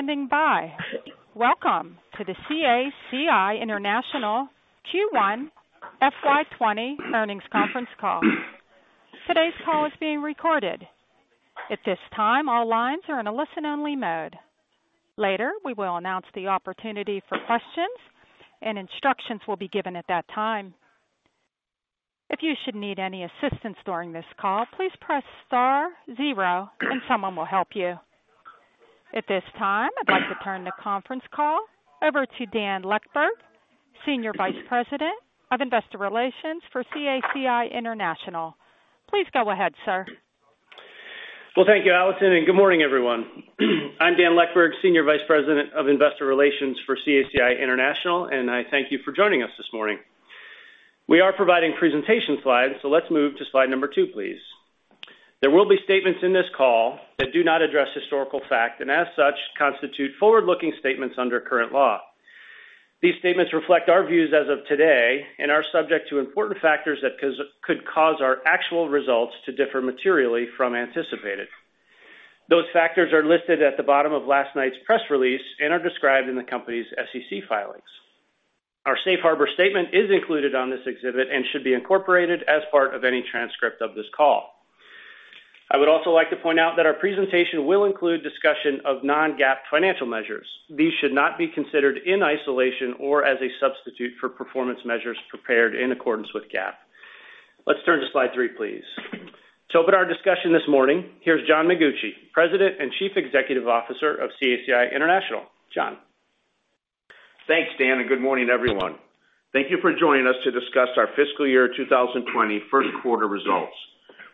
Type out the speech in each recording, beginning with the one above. Standing by. Welcome to the CACI International Q1 FY 2020 earnings conference call. Today's call is being recorded. At this time, all lines are in a listen-only mode. Later, we will announce the opportunity for questions, and instructions will be given at that time. If you should need any assistance during this call, please press star zero, and someone will help you. At this time, I'd like to turn the conference call over to Dan Leckburg, Senior Vice President of Investor Relations for CACI International. Please go ahead, sir. Thank you, Allison, and good morning, everyone. I'm Dan Leckburg, Senior Vice President of Investor Relations for CACI International, and I thank you for joining us this morning. We are providing presentation slides, so let's move to slide number two, please. There will be statements in this call that do not address historical fact and, as such, constitute forward-looking statements under current law. These statements reflect our views as of today and are subject to important factors that could cause our actual results to differ materially from anticipated. Those factors are listed at the bottom of last night's press release and are described in the company's SEC filings. Our safe harbor statement is included on this exhibit and should be incorporated as part of any transcript of this call. I would also like to point out that our presentation will include discussion of non-GAAP financial measures. These should not be considered in isolation or as a substitute for performance measures prepared in accordance with GAAP. Let's turn to slide three, please. To open our discussion this morning, here's John Mengucci, President and Chief Executive Officer of CACI International. John. Thanks, Dan, and good morning, everyone. Thank you for joining us to discuss our fiscal year 2020 first quarter results.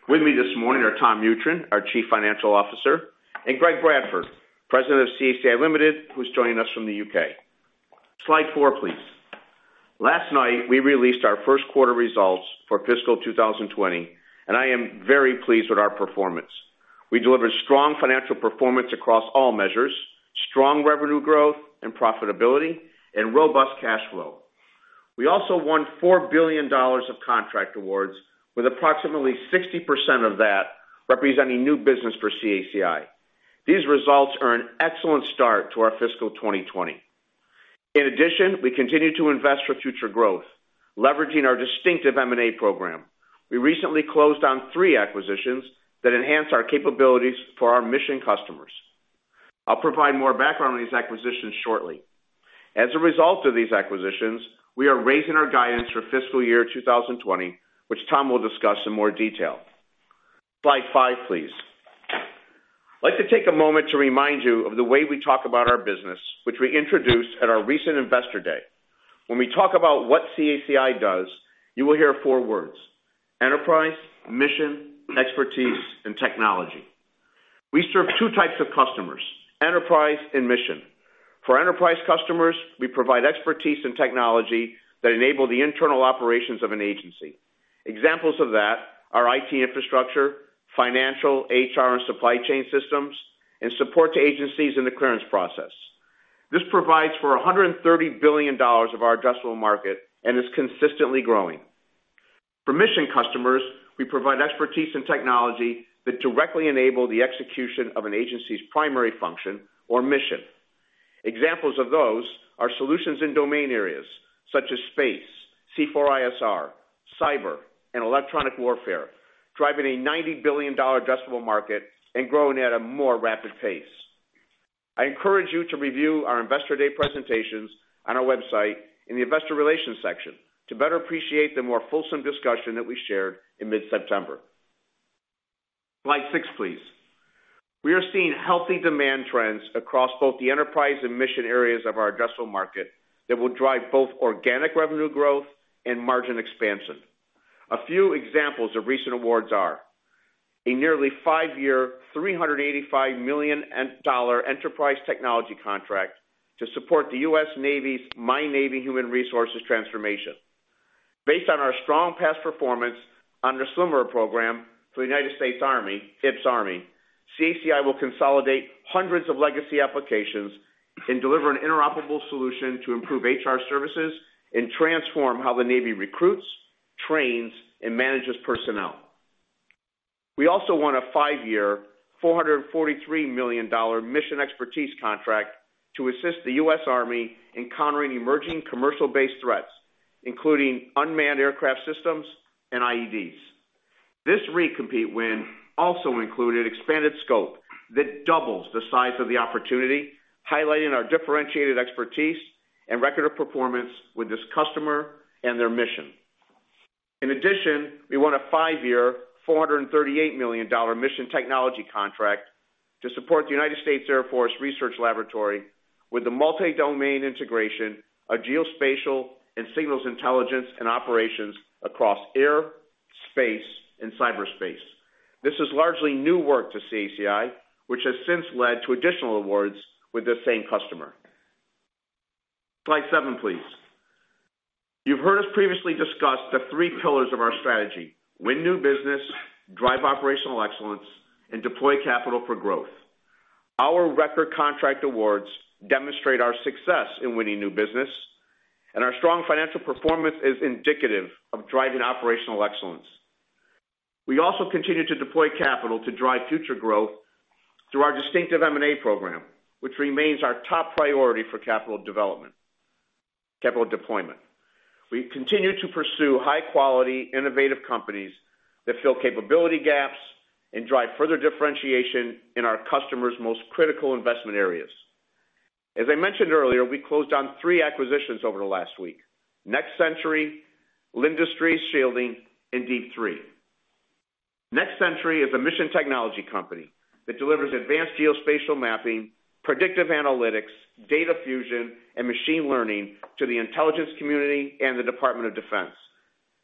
With me this morning are Tom Mutryn, our Chief Financial Officer, and Greg Bradford, President of CACI Limited, who's joining us from the UK. Slide four, please. Last night, we released our first quarter results for fiscal 2020, and I am very pleased with our performance. We delivered strong financial performance across all measures, strong revenue growth and profitability, and robust cash flow. We also won $4 billion of contract awards, with approximately 60% of that representing new business for CACI. These results are an excellent start to our fiscal 2020. In addition, we continue to invest for future growth, leveraging our distinctive M&A program. We recently closed down three acquisitions that enhanced our capabilities for our mission customers. I'll provide more background on these acquisitions shortly. As a result of these acquisitions, we are raising our guidance for fiscal year 2020, which Tom will discuss in more detail. Slide five, please. I'd like to take a moment to remind you of the way we talk about our business, which we introduced at our recent Investor Day. When we talk about what CACI does, you will hear four words: enterprise, mission, expertise, and technology. We serve two types of customers: enterprise and mission. For enterprise customers, we provide expertise and technology that enable the internal operations of an agency. Examples of that are IT infrastructure, financial, HR, and supply chain systems, and support to agencies in the clearance process. This provides for $130 billion of our addressable market and is consistently growing. For mission customers, we provide expertise and technology that directly enable the execution of an agency's primary function or mission. Examples of those are solutions in domain areas such as space, C4ISR, cyber, and electronic warfare, driving a $90 billion addressable market and growing at a more rapid pace. I encourage you to review our Investor Day presentations on our website in the investor relations section to better appreciate the more fulsome discussion that we shared in mid-September. Slide six, please. We are seeing healthy demand trends across both the enterprise and mission areas of our addressable market that will drive both organic revenue growth and margin expansion. A few examples of recent awards are a nearly five-year, $385 million enterprise technology contract to support the U.S. Navy's My Navy Human Resources transformation. Based on our strong past performance under similar program for the United States Army, IPPS-A, CACI will consolidate hundreds of legacy applications and deliver an interoperable solution to improve HR services and transform how the Navy recruits, trains, and manages personnel. We also won a five-year, $443 million mission expertise contract to assist the U.S. Army in countering emerging commercial-based threats, including unmanned aircraft systems and IEDs. This re-compete win also included expanded scope that doubles the size of the opportunity, highlighting our differentiated expertise and record of performance with this customer and their mission. In addition, we won a five-year, $438 million mission technology contract to support the United States Air Force Research Laboratory with the multi-domain integration of geospatial and signals intelligence and operations across air, space, and cyberspace. This is largely new work to CACI, which has since led to additional awards with this same customer. Slide seven, please. You've heard us previously discuss the three pillars of our strategy: win new business, drive operational excellence, and deploy capital for growth. Our record contract awards demonstrate our success in winning new business, and our strong financial performance is indicative of driving operational excellence. We also continue to deploy capital to drive future growth through our distinctive M&A program, which remains our top priority for capital deployment. We continue to pursue high-quality, innovative companies that fill capability gaps and drive further differentiation in our customers' most critical investment areas. As I mentioned earlier, we closed down three acquisitions over the last week: Next Century, Linndustries Shielding, and Deep3. Next Century is a mission technology company that delivers advanced geospatial mapping, predictive analytics, data fusion, and machine learning to the intelligence community and the Department of Defense.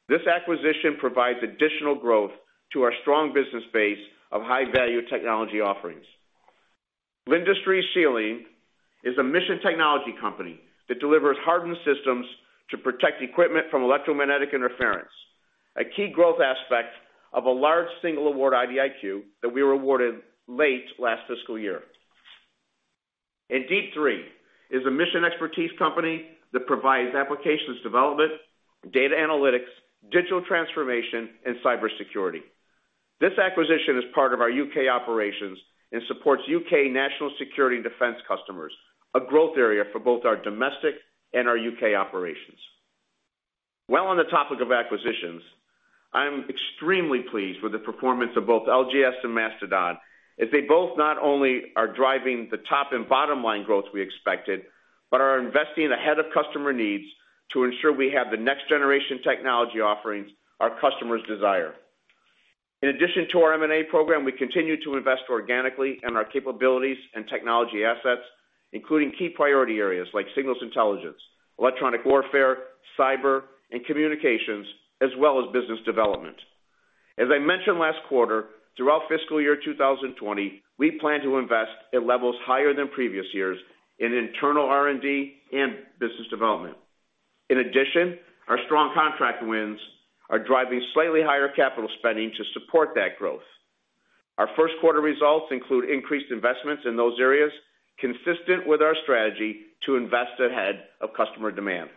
This acquisition provides additional growth to our strong business base of high-value technology offerings. Linndustries Shielding is a mission technology company that delivers hardened systems to protect equipment from electromagnetic interference, a key growth aspect of a large single-award IDIQ that we were awarded late last fiscal year. Deep3 is a mission expertise company that provides applications development, data analytics, digital transformation, and cybersecurity. This acquisition is part of our U.K. operations and supports U.K. national security and defense customers, a growth area for both our domestic and our U.K. operations. On the topic of acquisitions, I'm extremely pleased with the performance of both LGS and Mastodon as they both not only are driving the top and bottom line growth we expected but are investing ahead of customer needs to ensure we have the next-generation technology offerings our customers desire. In addition to our M&A program, we continue to invest organically in our capabilities and technology assets, including key priority areas like signals intelligence, electronic warfare, cyber, and communications, as well as business development. As I mentioned last quarter, throughout fiscal year 2020, we plan to invest at levels higher than previous years in internal R&D and business development. In addition, our strong contract wins are driving slightly higher capital spending to support that growth. Our first quarter results include increased investments in those areas, consistent with our strategy to invest ahead of customer demand.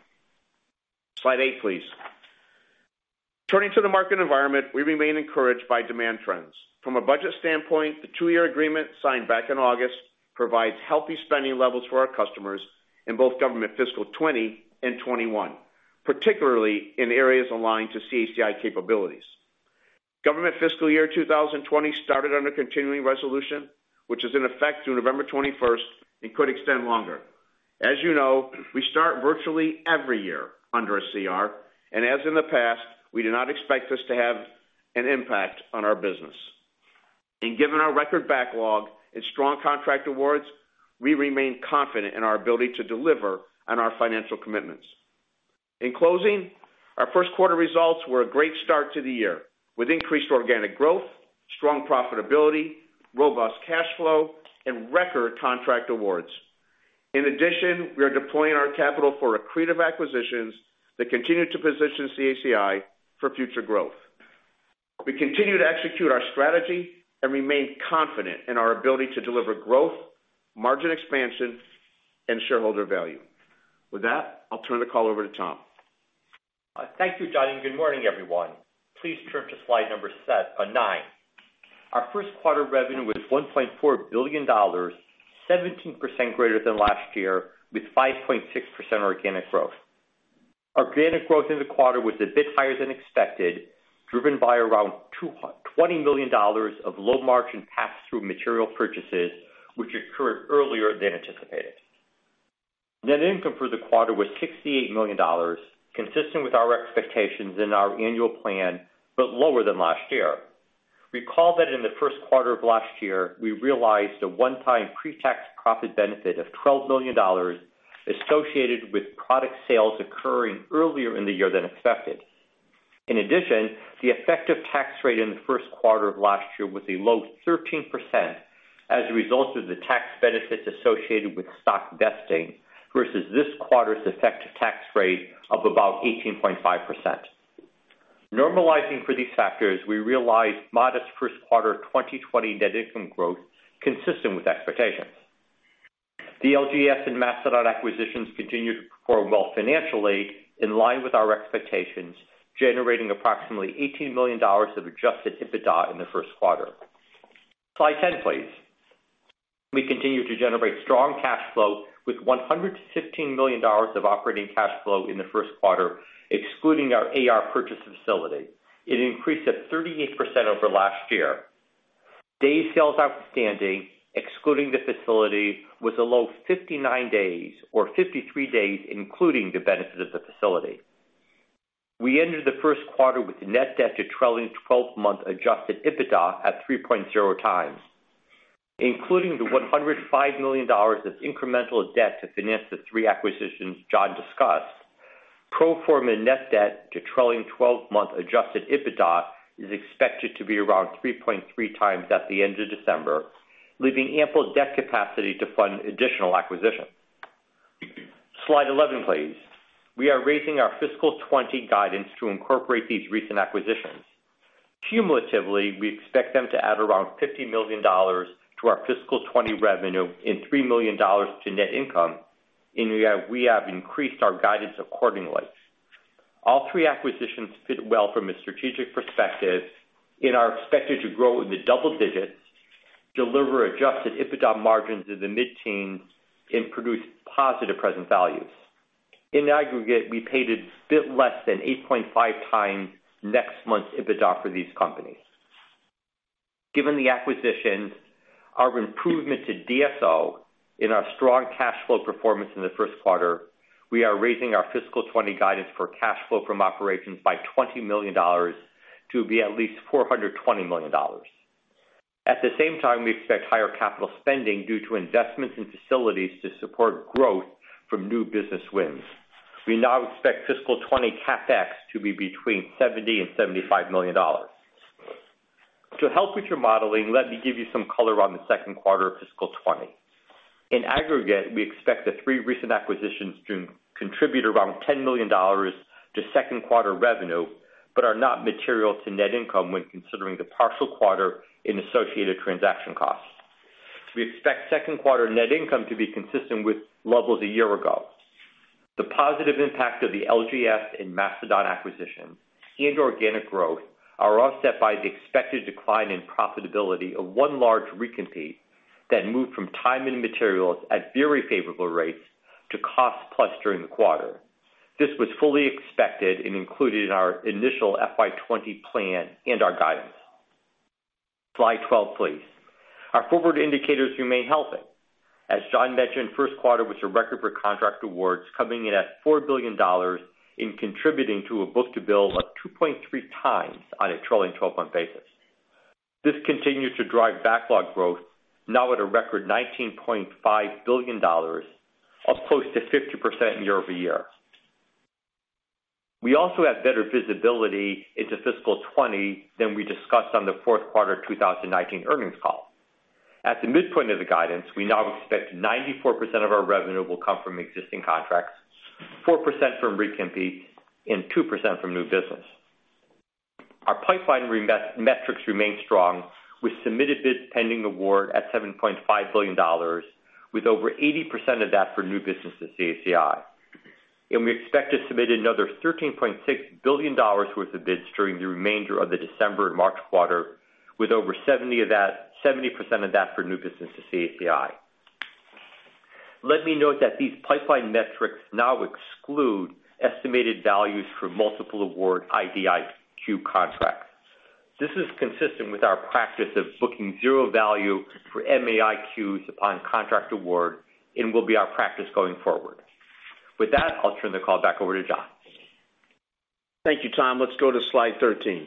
Slide eight, please. Turning to the market environment, we remain encouraged by demand trends. From a budget standpoint, the two-year agreement signed back in August provides healthy spending levels for our customers in both government fiscal 2020 and 2021, particularly in areas aligned to CACI capabilities. Government fiscal year 2020 started under Continuing Resolution, which is in effect through November 21st and could extend longer. As you know, we start virtually every year under a CR, and as in the past, we do not expect this to have an impact on our business, and given our record backlog and strong contract awards, we remain confident in our ability to deliver on our financial commitments. In closing, our first quarter results were a great start to the year with increased organic growth, strong profitability, robust cash flow, and record contract awards. In addition, we are deploying our capital for accretive acquisitions that continue to position CACI for future growth. We continue to execute our strategy and remain confident in our ability to deliver growth, margin expansion, and shareholder value. With that, I'll turn the call over to Tom. Thank you, John, and good morning, everyone. Please turn to slide number nine. Our first quarter revenue was $1.4 billion, 17% greater than last year, with 5.6% organic growth. Organic growth in the quarter was a bit higher than expected, driven by around $20 million of low-margin pass-through material purchases, which occurred earlier than anticipated. Net income for the quarter was $68 million, consistent with our expectations in our annual plan, but lower than last year. Recall that in the first quarter of last year, we realized a one-time pre-tax profit benefit of $12 million associated with product sales occurring earlier in the year than expected. In addition, the effective tax rate in the first quarter of last year was a low 13% as a result of the tax benefits associated with stock vesting versus this quarter's effective tax rate of about 18.5%. Normalizing for these factors, we realized modest first quarter 2020 net income growth consistent with expectations. The LGS and Mastodon acquisitions continued to perform well financially in line with our expectations, generating approximately $18 million of adjusted EBITDA in the first quarter. Slide 10, please. We continue to generate strong cash flow with $115 million of operating cash flow in the first quarter, excluding our AR purchase facility. It increased 38% over last year. Days sales outstanding, excluding the facility, was a low 59 days or 53 days, including the benefit of the facility. We entered the first quarter with net debt to trailing 12-month adjusted EBITDA at 3.0 times. Including the $105 million of incremental debt to finance the three acquisitions John discussed, pro forma net debt to trailing 12-month adjusted EBITDA is expected to be around 3.3 times at the end of December, leaving ample debt capacity to fund additional acquisitions. Slide 11, please. We are raising our fiscal 2020 guidance to incorporate these recent acquisitions. Cumulatively, we expect them to add around $50 million to our fiscal 2020 revenue and $3 million to net income, and we have increased our guidance accordingly. All three acquisitions fit well from a strategic perspective and are expected to grow in the double digits, deliver adjusted EBITDA margins in the mid-teens, and produce positive present values. In aggregate, we paid a bit less than 8.5x next twelve months' EBITDA for these companies. Given the acquisitions, our improvement to DSO and our strong cash flow performance in the first quarter, we are raising our fiscal 2020 guidance for cash flow from operations by $20 million to be at least $420 million. At the same time, we expect higher capital spending due to investments in facilities to support growth from new business wins. We now expect fiscal 2020 CapEx to be between $70 and $75 million. To help with your modeling, let me give you some color on the second quarter of fiscal 2020. In aggregate, we expect the three recent acquisitions to contribute around $10 million to second quarter revenue but are not material to net income when considering the partial quarter and associated transaction costs. We expect second quarter net income to be consistent with levels a year ago. The positive impact of the LGS and Mastodon acquisition and organic growth are offset by the expected decline in profitability of one large re-compete that moved from time and materials at very favorable rates to cost-plus during the quarter. This was fully expected and included in our initial FY 2020 plan and our guidance. Slide 12, please. Our forward indicators remain healthy. As John mentioned, first quarter was a record for contract awards coming in at $4 billion and contributing to a book-to-bill of 2.3x on a trailing 12-month basis. This continues to drive backlog growth, now at a record $19.5 billion, up close to 50% year over year. We also have better visibility into fiscal 20 than we discussed on the fourth quarter 2019 earnings call. At the midpoint of the guidance, we now expect 94% of our revenue will come from existing contracts, 4% from re-competes, and 2% from new business. Our pipeline metrics remain strong with submitted bids pending award at $7.5 billion, with over 80% of that for new business to CACI. And we expect to submit another $13.6 billion worth of bids during the remainder of the December and March quarter, with over 70% of that for new business to CACI. Let me note that these pipeline metrics now exclude estimated values for multiple award IDIQ contracts. This is consistent with our practice of booking zero value for MAIQs upon contract award and will be our practice going forward. With that, I'll turn the call back over to John. Thank you, Tom. Let's go to slide 13.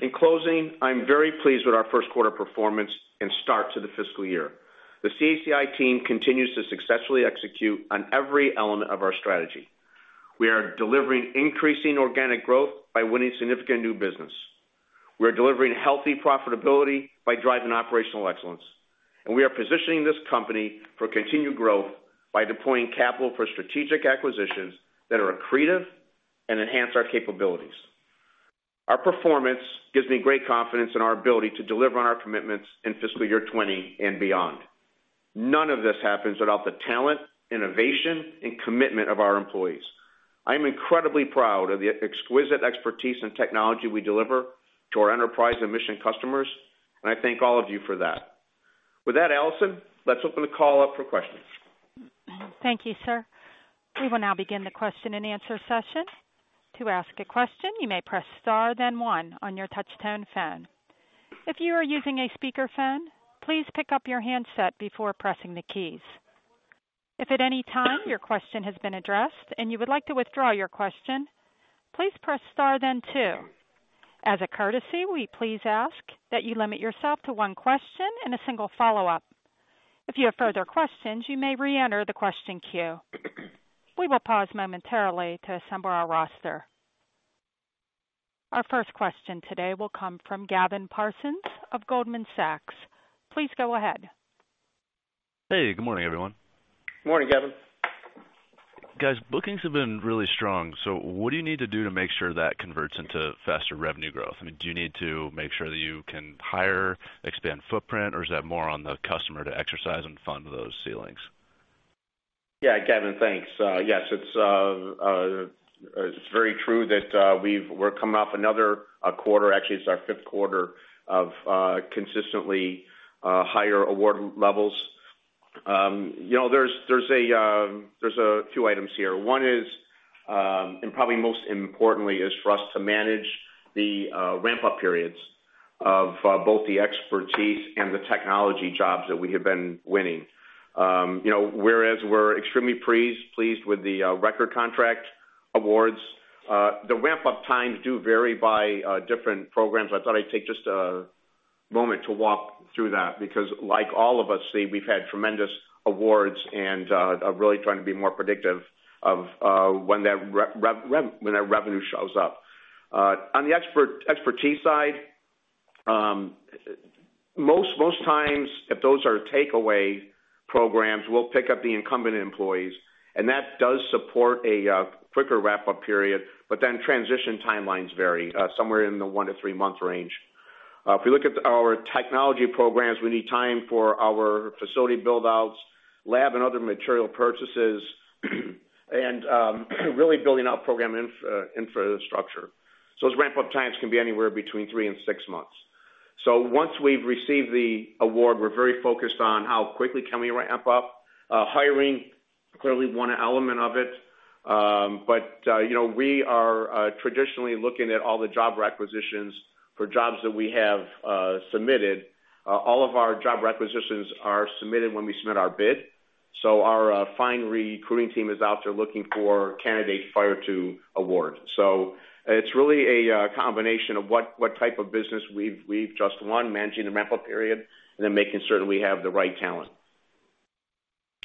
In closing, I'm very pleased with our first quarter performance and start to the fiscal year. The CACI team continues to successfully execute on every element of our strategy. We are delivering increasing organic growth by winning significant new business. We are delivering healthy profitability by driving operational excellence. And we are positioning this company for continued growth by deploying capital for strategic acquisitions that are accretive and enhance our capabilities. Our performance gives me great confidence in our ability to deliver on our commitments in fiscal year 2020 and beyond. None of this happens without the talent, innovation, and commitment of our employees. I am incredibly proud of the exquisite expertise and technology we deliver to our enterprise and mission customers, and I thank all of you for that. With that, Allison, let's open the call up for questions. Thank you, sir. We will now begin the question and answer session. To ask a question, you may press star, then one on your touch-tone phone. If you are using a speakerphone, please pick up your handset before pressing the keys. If at any time your question has been addressed and you would like to withdraw your question, please press star, then two. As a courtesy, we please ask that you limit yourself to one question and a single follow-up. If you have further questions, you may re-enter the question queue. We will pause momentarily to assemble our roster. Our first question today will come from Gavin Parsons of Goldman Sachs. Please go ahead. Hey, good morning, everyone. Good morning, Gavin. Guys, bookings have been really strong. So what do you need to do to make sure that converts into faster revenue growth? I mean, do you need to make sure that you can hire, expand footprint, or is that more on the customer to exercise and fund those ceilings? Yeah, Gavin, thanks. Yes, it's very true that we're coming off another quarter. Actually, it's our fifth quarter of consistently higher award levels. There's a few items here. One is, and probably most importantly, is for us to manage the ramp-up periods of both the expertise and the technology jobs that we have been winning. Whereas we're extremely pleased with the record contract awards, the ramp-up times do vary by different programs. I thought I'd take just a moment to walk through that because, like all of us, we've had tremendous awards and are really trying to be more predictive of when that revenue shows up. On the expertise side, most times, if those are takeaway programs, we'll pick up the incumbent employees, and that does support a quicker ramp-up period, but then transition timelines vary somewhere in the one- to three-month range. If we look at our technology programs, we need time for our facility buildouts, lab, and other material purchases, and really building out program infrastructure. So those ramp-up times can be anywhere between three and six months. So once we've received the award, we're very focused on how quickly can we ramp up? Hiring is clearly one element of it, but we are traditionally looking at all the job requisitions for jobs that we have submitted. All of our job requisitions are submitted when we submit our bid. So our entire recruiting team is out there looking for candidates prior to award. So it's really a combination of what type of business we've just won, managing the ramp-up period, and then making certain we have the right talent.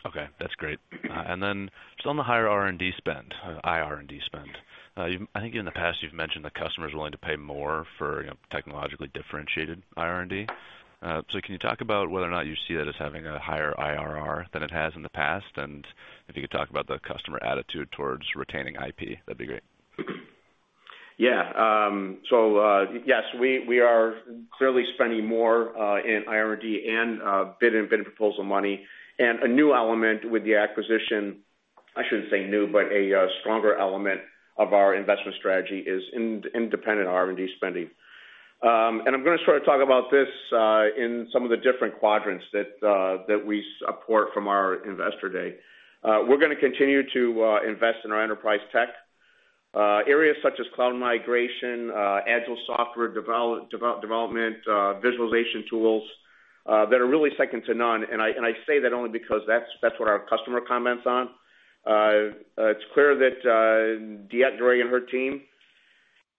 Okay, that's great. And then just on the higher IR&D spend, higher IR&D spend, I think in the past you've mentioned that customers are willing to pay more for technologically differentiated IR&D. So can you talk about whether or not you see that as having a higher IRR than it has in the past? And if you could talk about the customer attitude towards retaining IP, that'd be great. Yeah. So yes, we are clearly spending more in IR&D and bid and proposal money. And a new element with the acquisition, I shouldn't say new, but a stronger element of our investment strategy is independent R&D spending. And I'm going to sort of talk about this in some of the different quadrants that we support from our investor day. We're going to continue to invest in our enterprise tech areas such as cloud migration, agile software development, visualization tools that are really second to none. And I say that only because that's what our customer comments on. It's clear that DeEtte Gray and her team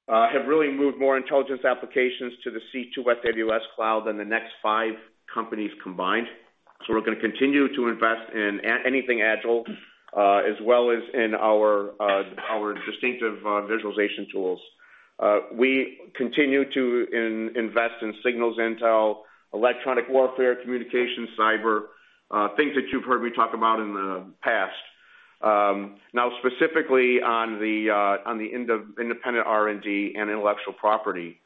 have really moved more intelligence applications to the C2S AWS cloud than the next five companies combined. So we're going to continue to invest in anything agile as well as in our distinctive visualization tools. We continue to invest in signals intel, electronic warfare, communications, cyber, things that you've heard me talk about in the past. Now, specifically on the independent R&D and intellectual property,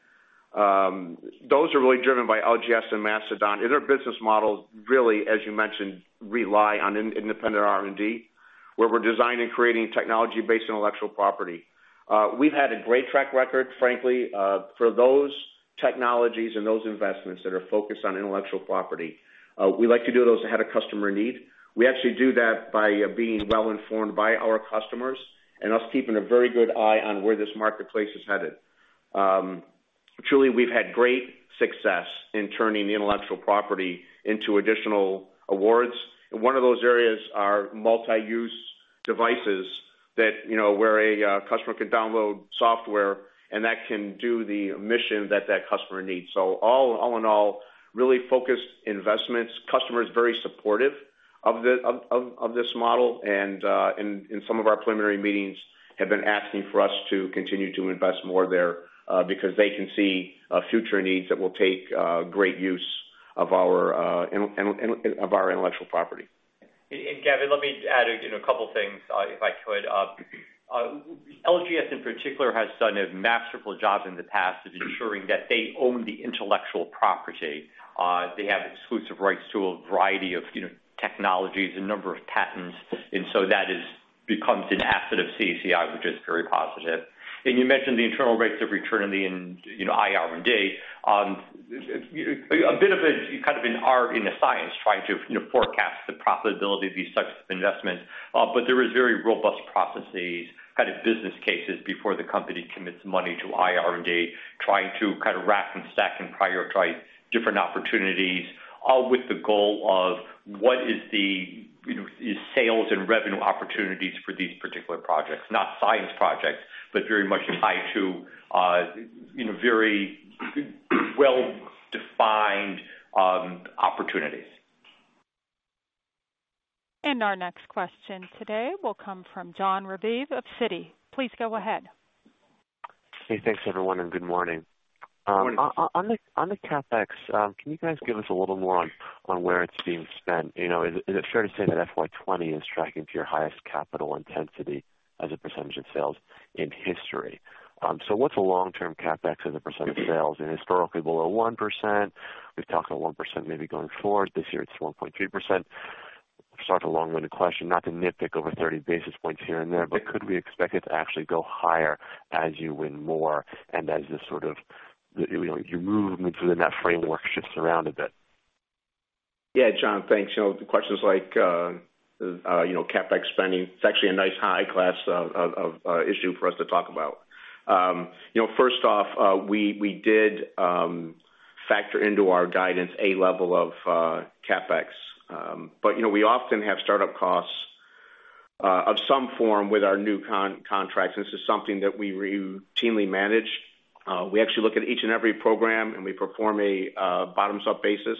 those are really driven by LGS and Mastodon, and their business models, really, as you mentioned, rely on independent R&D where we're designing and creating technology-based intellectual property. We've had a great track record, frankly, for those technologies and those investments that are focused on intellectual property. We like to do those ahead of customer need. We actually do that by being well-informed by our customers and us keeping a very good eye on where this marketplace is headed. Truly, we've had great success in turning intellectual property into additional awards, and one of those areas is multi-use devices where a customer can download software and that can do the mission that that customer needs. So all in all, really focused investments. Customer is very supportive of this model. And in some of our preliminary meetings, they have been asking for us to continue to invest more there because they can see future needs that will take great use of our intellectual property. Gavin, let me add a couple of things if I could. LGS in particular has done a masterful job in the past of ensuring that they own the intellectual property. They have exclusive rights to a variety of technologies, a number of patents, and so that becomes an asset of CACI, which is very positive. You mentioned the internal rates of return in the IR&D. A bit of a kind of an art and science trying to forecast the profitability of these types of investments, but there are very robust processes, kind of business cases before the company commits money to IR&D, trying to kind of rack and stack and prioritize different opportunities with the goal of what is the sales and revenue opportunities for these particular projects, not science projects, but very much tied to very well-defined opportunities. Our next question today will come from Jon Raviv of Citi. Please go ahead. Hey, thanks everyone and good morning. On the CACI, can you guys give us a little more on where it's being spent? Is it fair to say that FY 2020 is tracking to your highest capital intensity as a percentage of sales in history? So what's a long-term CapEx as a percent of sales? And historically, below 1%, we've talked about 1% maybe going forward. This year, it's 1.3%. It's a long-winded question, not to nitpick over 30 basis points here and there, but could we expect it to actually go higher as you win more and as this sort of your movement within that framework shifts around a bit? Yeah, John, thanks. The questions like CapEx spending, it's actually a nice high-class issue for us to talk about. First off, we did factor into our guidance a level of CapEx, but we often have startup costs of some form with our new contracts. And this is something that we routinely manage. We actually look at each and every program and we perform a bottoms-up basis.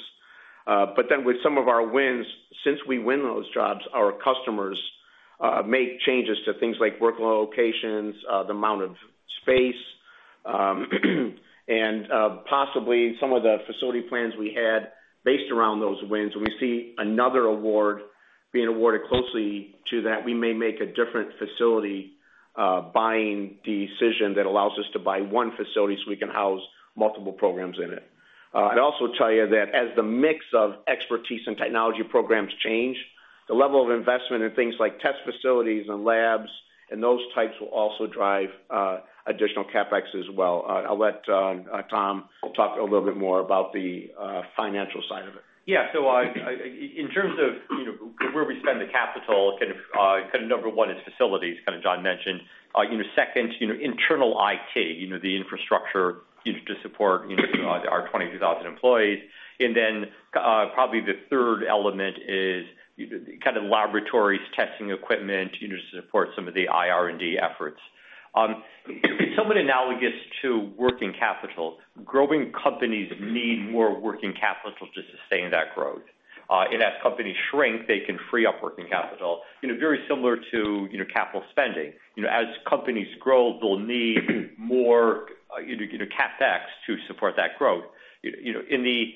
But then with some of our wins, since we win those jobs, our customers make changes to things like work locations, the amount of space, and possibly some of the facility plans we had based around those wins. When we see another award being awarded closely to that, we may make a different facility buying decision that allows us to buy one facility so we can house multiple programs in it. I'd also tell you that as the mix of expertise and technology programs change, the level of investment in things like test facilities and labs and those types will also drive additional CapEx as well. I'll let Tom talk a little bit more about the financial side of it. Yeah. So in terms of where we spend the capital, kind of number one is facilities, kind of John mentioned. Second, internal IT, the infrastructure to support our 22,000 employees. And then probably the third element is kind of laboratories, testing equipment to support some of the IR&D efforts. Somewhat analogous to working capital, growing companies need more working capital to sustain that growth. And as companies shrink, they can free up working capital, very similar to capital spending. As companies grow, they'll need more CapEx to support that growth. In the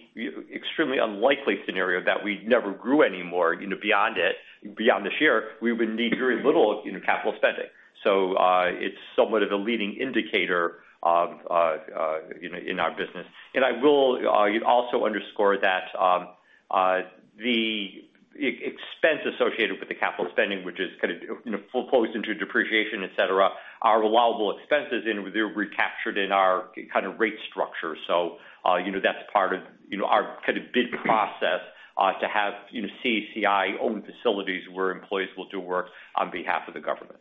extremely unlikely scenario that we never grew any more beyond it, beyond this year, we would need very little capital spending. So it's somewhat of a leading indicator in our business. I will also underscore that the expense associated with the capital spending, which kind of folds into depreciation, etc., are reliable expenses and they're recaptured in our kind of rate structure. That's part of our kind of bid process to have CACI-owned facilities where employees will do work on behalf of the government.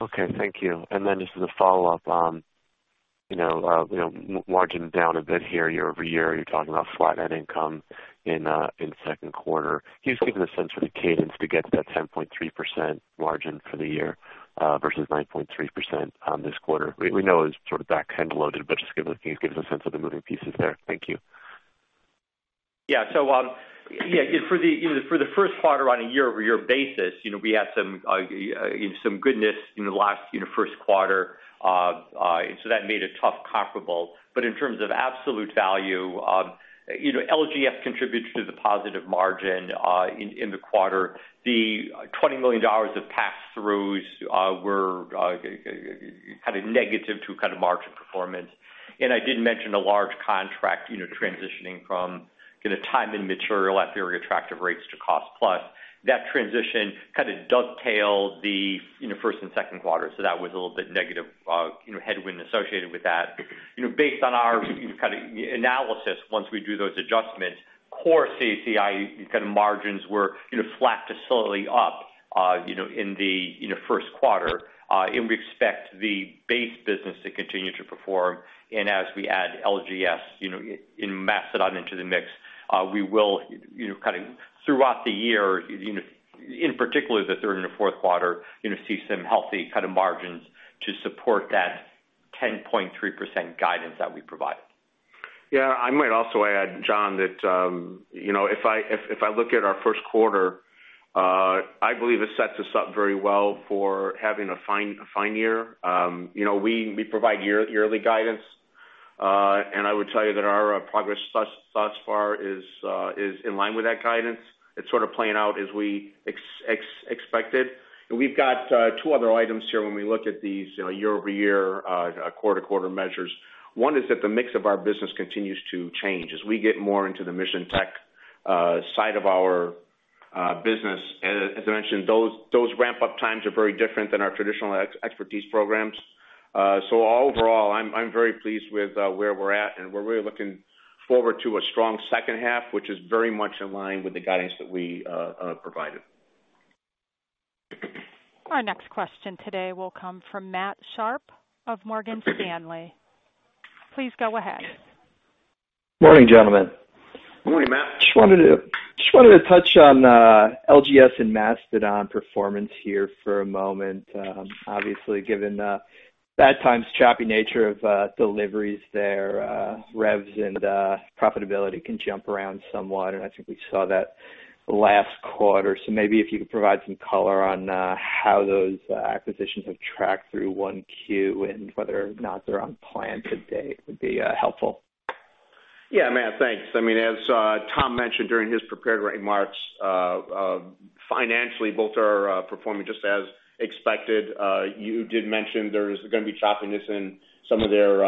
Okay, thank you. And then just as a follow-up, margin down a bit here. Year over year, you're talking about flat net income in second quarter. Can you just give us a sense of the cadence to get that 10.3% margin for the year versus 9.3% this quarter? We know it's sort of back-end loaded, but just give us a sense of the moving pieces there. Thank you. Yeah. So yeah, for the first quarter, on a year-over-year basis, we had some goodness in the last first quarter. So that made it tough comparable. But in terms of absolute value, LGS contributed to the positive margin in the quarter. The $20 million of pass-throughs were kind of negative to kind of margin performance. And I did mention a large contract transitioning from kind of time and material at very attractive rates to cost-plus. That transition kind of dovetailed the first and second quarter. So that was a little bit negative headwind associated with that. Based on our kind of analysis, once we do those adjustments, core CACI kind of margins were flat to slowly up in the first quarter. And we expect the base business to continue to perform. As we add LGS and Mastodon into the mix, we will kind of throughout the year, in particular the third and the fourth quarter, see some healthy kind of margins to support that 10.3% guidance that we provided. Yeah. I might also add, John, that if I look at our first quarter, I believe it sets us up very well for having a fine year. We provide yearly guidance, and I would tell you that our progress thus far is in line with that guidance. It's sort of playing out as we expected. And we've got two other items here when we look at these year-over-year, quarter-to-quarter measures. One is that the mix of our business continues to change. As we get more into the mission tech side of our business, as I mentioned, those ramp-up times are very different than our traditional expertise programs. So overall, I'm very pleased with where we're at, and we're really looking forward to a strong second half, which is very much in line with the guidance that we provided. Our next question today will come from Matt Sharpe of Morgan Stanley. Please go ahead. Morning, gentlemen. Morning, Matt. Just wanted to touch on LGS and Mastodon performance here for a moment. Obviously, given bad times, choppy nature of deliveries there, revs and profitability can jump around somewhat. And I think we saw that last quarter. So maybe if you could provide some color on how those acquisitions have tracked through 1Q and whether or not they're on plan today would be helpful. Yeah, Matt, thanks. I mean, as Tom mentioned during his prepared remarks, financially, both are performing just as expected. You did mention there's going to be choppiness in some of their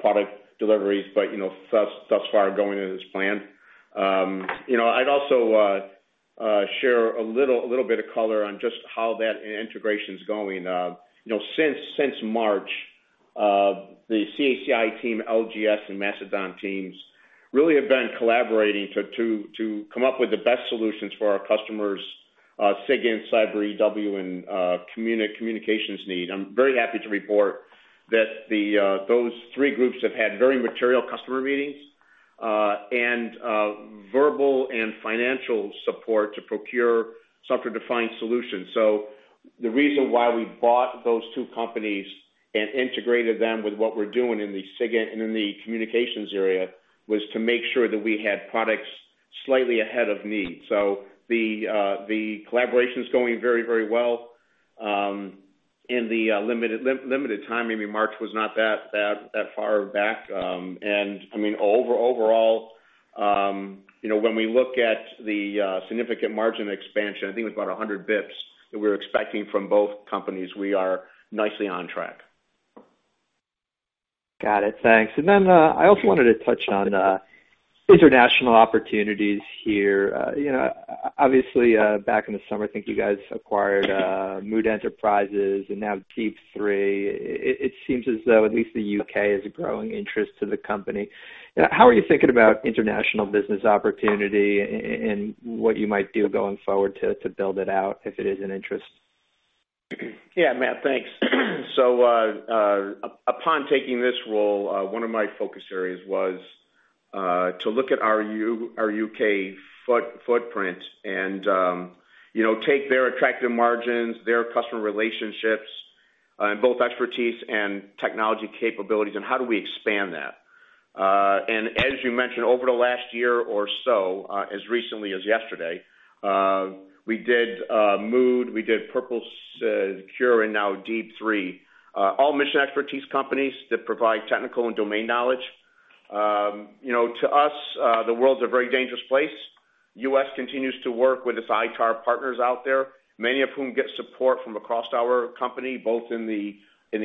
product deliveries, but thus far going as planned. I'd also share a little bit of color on just how that integration is going. Since March, the CACI team, LGS, and Mastodon teams really have been collaborating to come up with the best solutions for our customers' SIGINT, Cyber, EW, and communications need. I'm very happy to report that those three groups have had very material customer meetings and verbal and financial support to procure software-defined solutions. So the reason why we bought those two companies and integrated them with what we're doing in the SIGINT and in the communications area was to make sure that we had products slightly ahead of need. So the collaboration is going very, very well. In the limited time, I mean, March was not that far back. And I mean, overall, when we look at the significant margin expansion, I think it was about 100 basis points that we were expecting from both companies, we are nicely on track. Got it. Thanks. And then I also wanted to touch on international opportunities here. Obviously, back in the summer, I think you guys acquired Mood Enterprises and now Deep3. It seems as though at least the U.K. has a growing interest to the company. How are you thinking about international business opportunity and what you might do going forward to build it out if it is an interest? Yeah, Matt, thanks. So upon taking this role, one of my focus areas was to look at our U.K. footprint and take their attractive margins, their customer relationships, and both expertise and technology capabilities, and how do we expand that. And as you mentioned, over the last year or so, as recently as yesterday, we did Mood, we did Purple Secure, and now Deep3, all mission expertise companies that provide technical and domain knowledge. To us, the world's a very dangerous place. The U.S. continues to work with its ITAR partners out there, many of whom get support from across our company, both in the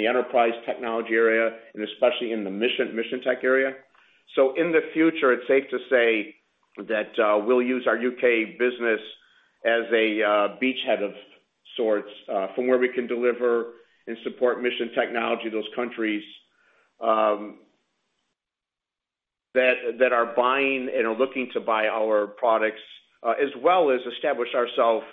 enterprise technology area and especially in the mission tech area. In the future, it's safe to say that we'll use our U.K. business as a beachhead of sorts from where we can deliver and support mission technology to those countries that are buying and are looking to buy our products, as well as establish ourselves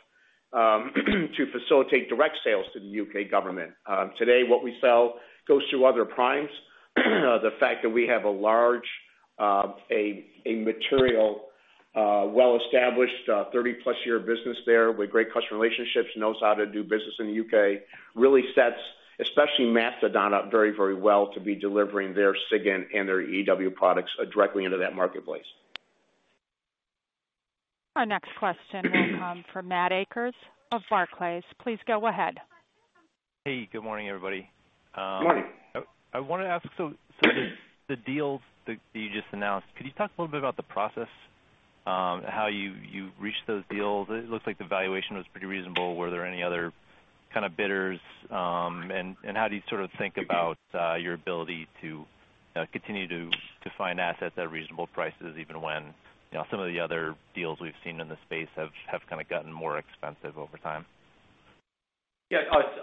to facilitate direct sales to the U.K. government. Today, what we sell goes through other primes. The fact that we have a large, a material, well-established 30-plus-year business there with great customer relationships, knows how to do business in the U.K., really sets especially Mastodon up very, very well to be delivering their SIGINT and their EW products directly into that marketplace. Our next question will come from Matt Akers of Barclays. Please go ahead. Hey, good morning, everybody. Good morning. I want to ask, so the deals that you just announced, could you talk a little bit about the process, how you reached those deals? It looks like the valuation was pretty reasonable. Were there any other kind of bidders, and how do you sort of think about your ability to continue to find assets at reasonable prices, even when some of the other deals we've seen in the space have kind of gotten more expensive over time? Yeah.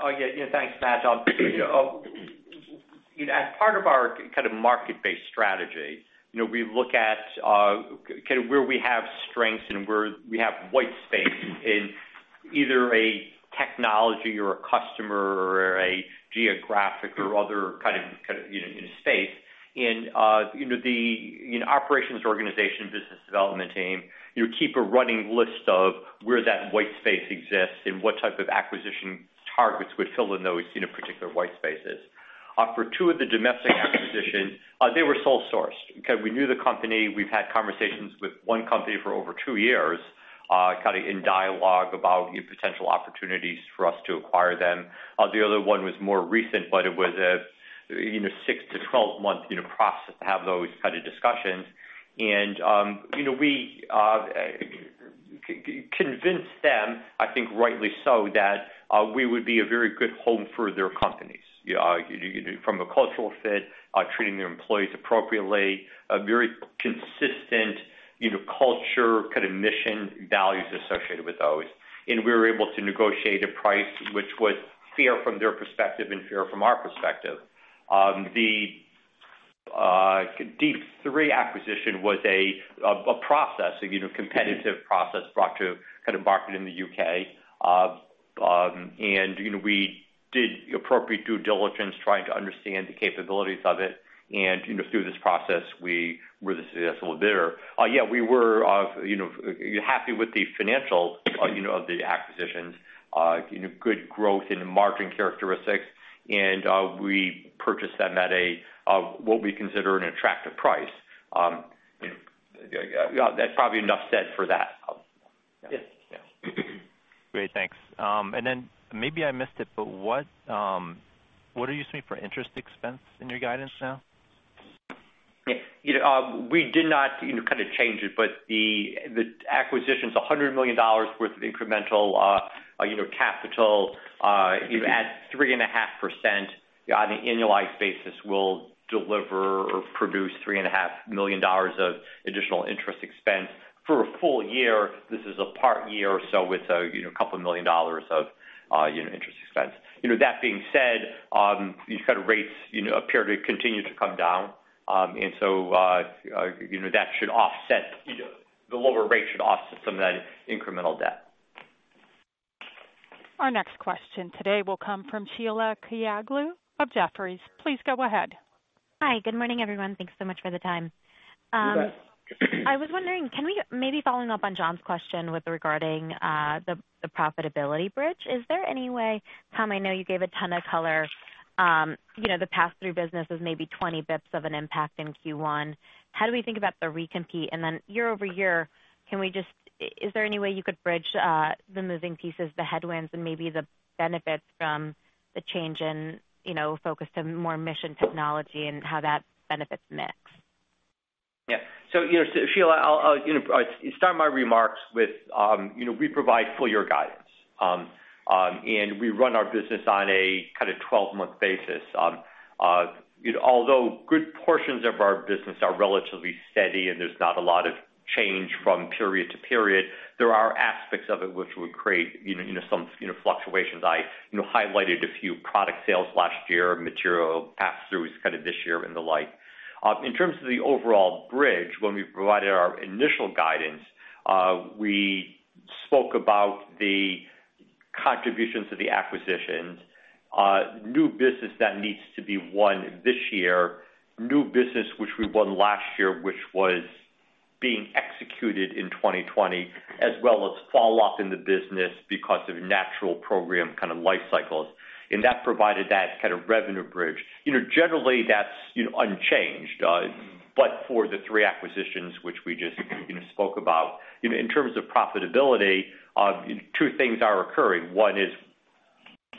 Yeah. Thanks, Matt. As part of our kind of market-based strategy, we look at kind of where we have strengths and where we have white space in either a technology or a customer or a geographic or other kind of space. And the operations organization business development team keeps a running list of where that white space exists and what type of acquisition targets would fill in those particular white spaces. For two of the domestic acquisitions, they were sole sourced. Okay, we knew the company. We've had conversations with one company for over two years, kind of in dialogue about potential opportunities for us to acquire them. The other one was more recent, but it was a 6 to 12-month process to have those kind of discussions. We convinced them, I think rightly so, that we would be a very good home for their companies from a cultural fit, treating their employees appropriately, a very consistent culture, kind of mission values associated with those. And we were able to negotiate a price which was fair from their perspective and fair from our perspective. The Deep3 acquisition was a process, a competitive process brought to the market in the U.K.. And we did appropriate due diligence, trying to understand the capabilities of it. And through this process, we were the successful bidder. Yeah, we were happy with the financials of the acquisitions, good growth in margin characteristics. And we purchased them at what we consider an attractive price. That's probably enough said for that. Great. Thanks. Maybe I missed it, but what are you using for interest expense in your guidance now? Yeah. We did not kind of change it, but the acquisitions, $100 million worth of incremental capital at 3.5% on an annualized basis will deliver or produce $3.5 million of additional interest expense for a full year. This is a part year, so it's a couple of million dollars of interest expense. That being said, these kind of rates appear to continue to come down. And so that should offset the lower rate should offset some of that incremental debt. Our next question today will come from Sheila Kahyaoglu of Jefferies. Please go ahead. Hi. Good morning, everyone. Thanks so much for the time. I was wondering, can we maybe follow up on John's question with regard to the profitability bridge? Is there any way, Tom, I know you gave a ton of color, the pass-through business is maybe 20 basis points of an impact in Q1. How do we think about the re-compete? And then year over year, can we just— is there any way you could bridge the moving pieces, the headwinds, and maybe the benefits from the change in focus to more mission technology and how that benefits mix? Yeah. So Sheila, I'll start my remarks with we provide full-year guidance, and we run our business on a kind of 12-month basis. Although good portions of our business are relatively steady and there's not a lot of change from period to period, there are aspects of it which would create some fluctuations. I highlighted a few product sales last year, material pass-throughs kind of this year and the like. In terms of the overall bridge, when we provided our initial guidance, we spoke about the contributions to the acquisitions, new business that needs to be won this year, new business which we won last year, which was being executed in 2020, as well as falloff in the business because of natural program kind of life cycles. And that provided that kind of revenue bridge. Generally, that's unchanged. But for the three acquisitions which we just spoke about, in terms of profitability, two things are occurring. One is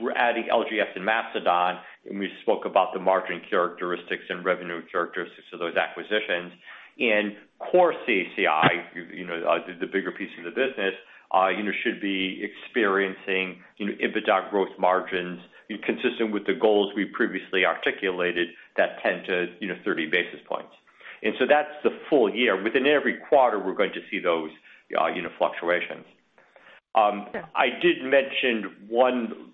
we're adding LGS and Mastodon, and we spoke about the margin characteristics and revenue characteristics of those acquisitions. And core CACI, the bigger piece of the business, should be experiencing EBITDA growth margins consistent with the goals we previously articulated that 10 to 30 basis points. And so that's the full year. Within every quarter, we're going to see those fluctuations. I did mention one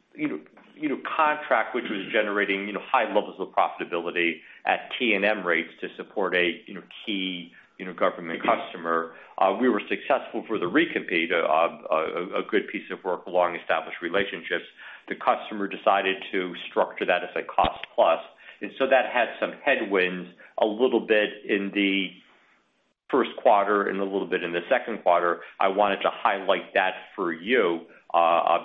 contract which was generating high levels of profitability at T&M rates to support a key government customer. We were successful for the re-compete, a good piece of work along established relationships. The customer decided to structure that as a cost-plus. And so that had some headwinds a little bit in the first quarter and a little bit in the second quarter. I wanted to highlight that for you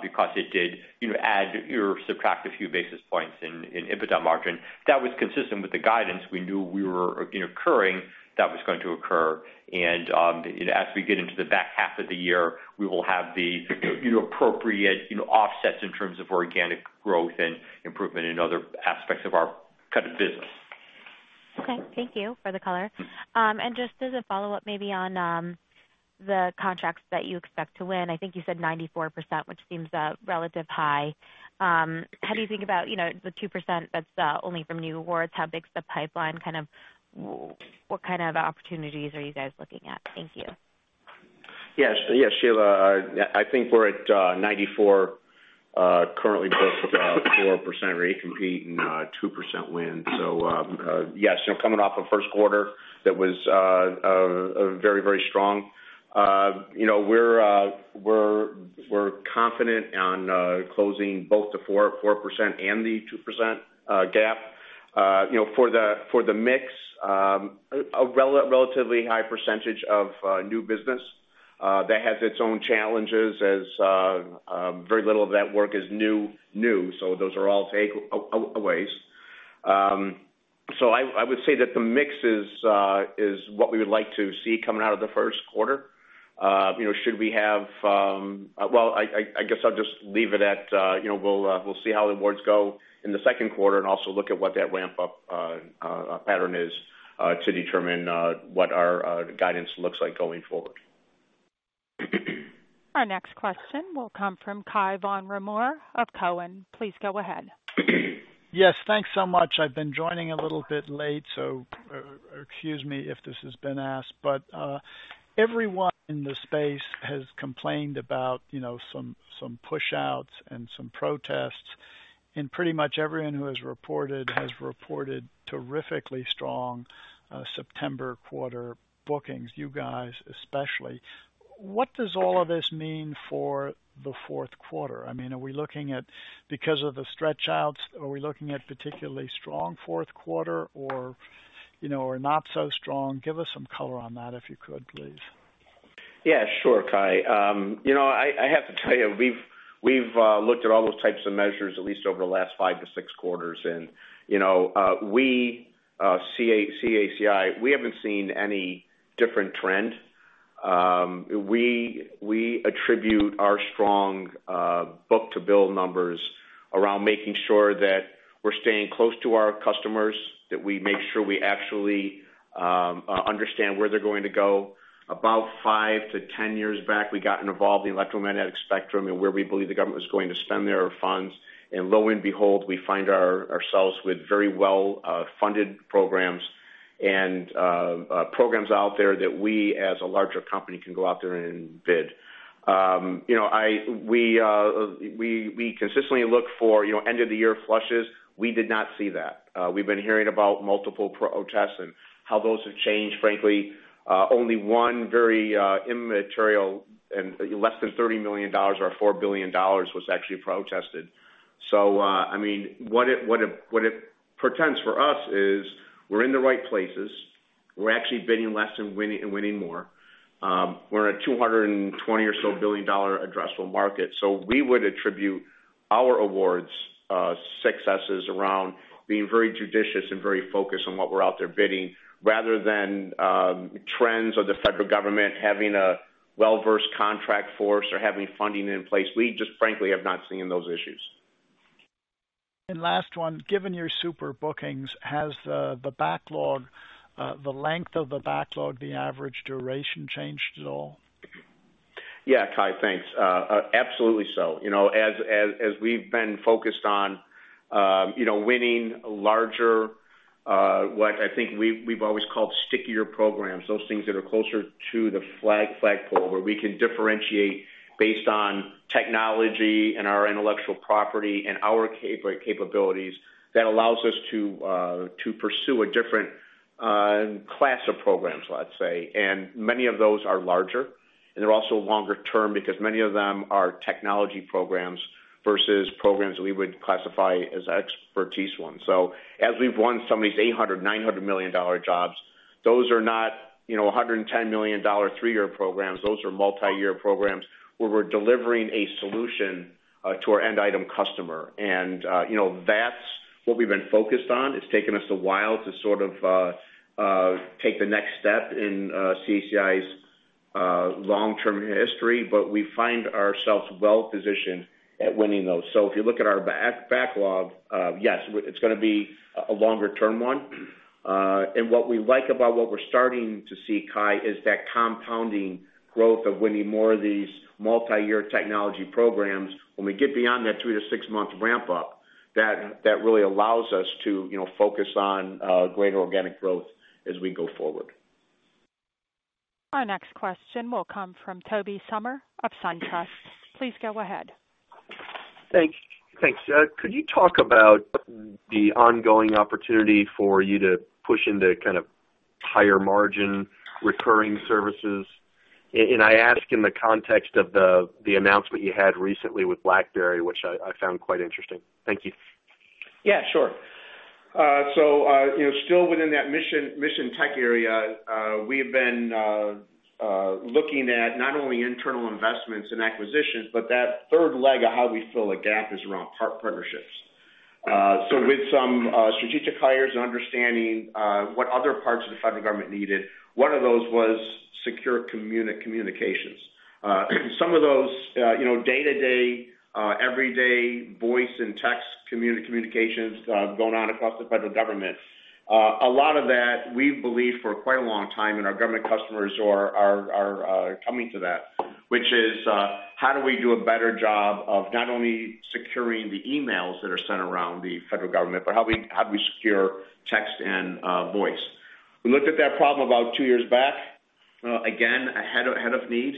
because it did add or subtract a few basis points in EBITDA margin. That was consistent with the guidance. We knew we were incurring that was going to occur. As we get into the back half of the year, we will have the appropriate offsets in terms of organic growth and improvement in other aspects of our kind of business. Okay. Thank you for the color. And just as a follow-up, maybe on the contracts that you expect to win, I think you said 94%, which seems relatively high. How do you think about the 2% that's only from new awards? How big's the pipeline? Kind of what kind of opportunities are you guys looking at? Thank you. Yes. Yeah, Sheila, I think we're at 94, currently booked 4% re-compete and 2% win. So yes, coming off of first quarter, that was very, very strong. We're confident on closing both the 4% and the 2% gap. For the mix, a relatively high percentage of new business. That has its own challenges as very little of that work is new, so those are all takeaways. So I would say that the mix is what we would like to see coming out of the first quarter. Should we have? Well, I guess I'll just leave it at we'll see how the awards go in the second quarter and also look at what that ramp-up pattern is to determine what our guidance looks like going forward. Our next question will come from Cai von Rumohr of Cowen. Please go ahead. Yes. Thanks so much. I've been joining a little bit late, so excuse me if this has been asked. But everyone in the space has complained about some push-outs and some protests. And pretty much everyone who has reported has reported terrifically strong September quarter bookings, you guys especially. What does all of this mean for the fourth quarter? I mean, are we looking at, because of the stretch-outs, are we looking at particularly strong fourth quarter or not so strong? Give us some color on that if you could, please. Yeah. Sure, Cai. I have to tell you, we've looked at all those types of measures at least over the last five to six quarters. And we, CACI, we haven't seen any different trend. We attribute our strong book-to-bill numbers around making sure that we're staying close to our customers, that we make sure we actually understand where they're going to go. About five to 10 years back, we got involved in electromagnetic spectrum and where we believe the government was going to spend their funds. And lo and behold, we find ourselves with very well-funded programs and programs out there that we, as a larger company, can go out there and bid. We consistently look for end-of-the-year flushes. We did not see that. We've been hearing about multiple protests and how those have changed. Frankly, only one very immaterial and less than $30 million or $4 billion was actually protested. So I mean, what it portends for us is we're in the right places. We're actually bidding less and winning more. We're in a $220 billion or so addressable market. So we would attribute our awards' successes around being very judicious and very focused on what we're out there bidding rather than trends of the federal government having a well-versed contract force or having funding in place. We just frankly have not seen those issues. Last one, given your superb bookings, has the backlog, the length of the backlog, the average duration changed at all? Yeah, Cai, thanks. Absolutely so. As we've been focused on winning larger, what I think we've always called stickier programs, those things that are closer to the flagpole where we can differentiate based on technology and our intellectual property and our capabilities, that allows us to pursue a different class of programs, let's say, and many of those are larger, and they're also longer term because many of them are technology programs versus programs we would classify as expertise ones. So as we've won some of these $800 million, $900 million jobs, those are not $110 million three-year programs. Those are multi-year programs where we're delivering a solution to our end-item customer. And that's what we've been focused on. It's taken us a while to sort of take the next step in CACI's long-term history, but we find ourselves well-positioned at winning those. So if you look at our backlog, yes, it's going to be a longer-term one. And what we like about what we're starting to see, Cai, is that compounding growth of winning more of these multi-year technology programs. When we get beyond that three- to six-month ramp-up, that really allows us to focus on greater organic growth as we go forward. Our next question will come from Tobey Sommer of SunTrust. Please go ahead. Thanks. Could you talk about the ongoing opportunity for you to push into kind of higher margin recurring services? And I ask in the context of the announcement you had recently with BlackBerry, which I found quite interesting. Thank you. Yeah, sure. So still within that mission tech area, we have been looking at not only internal investments and acquisitions, but that third leg of how we fill a gap is around partnerships. So with some strategic hires and understanding what other parts of the federal government needed, one of those was secure communications. Some of those day-to-day, everyday voice and text communications going on across the federal government, a lot of that we believe for quite a long time in our government customers are coming to that, which is how do we do a better job of not only securing the emails that are sent around the federal government, but how do we secure text and voice? We looked at that problem about two years back, again, ahead of need,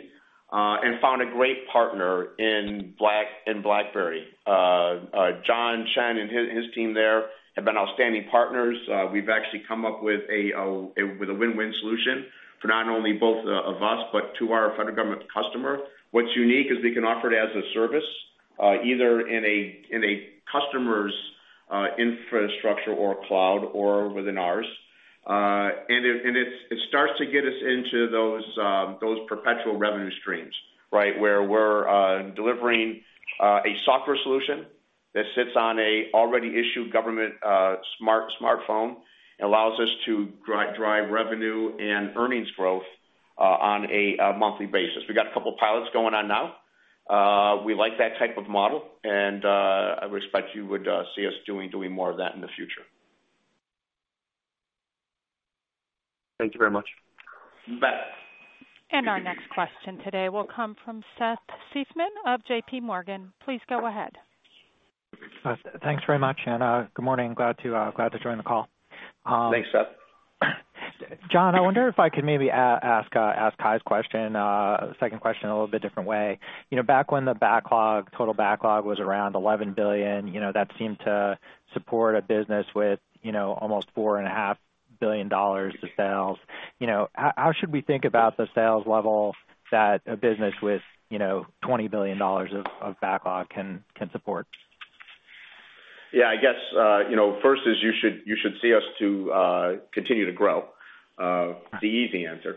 and found a great partner in BlackBerry. John Chen and his team there have been outstanding partners. We've actually come up with a win-win solution for not only both of us, but to our federal government customer. What's unique is we can offer it as a service either in a customer's infrastructure or cloud or within ours. And it starts to get us into those perpetual revenue streams, right, where we're delivering a software solution that sits on an already issued government smartphone and allows us to drive revenue and earnings growth on a monthly basis. We got a couple of pilots going on now. We like that type of model, and I would expect you would see us doing more of that in the future. Thank you very much. Our next question today will come from Seth Seifman of JPMorgan. Please go ahead. Thanks very much, and good morning. Glad to join the call. Thanks, Seth. John, I wonder if I could maybe ask Cai's question, second question, a little bit different way. Back when the total backlog was around $11 billion, that seemed to support a business with almost $4.5 billion to sales. How should we think about the sales level that a business with $20 billion of backlog can support? Yeah. I guess first is you should see us to continue to grow, the easy answer.